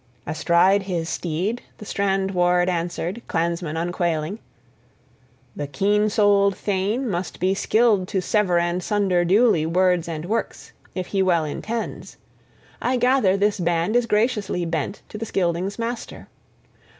Astride his steed, the strand ward answered, clansman unquailing: "The keen souled thane must be skilled to sever and sunder duly words and works, if he well intends. I gather, this band is graciously bent to the Scyldings' master.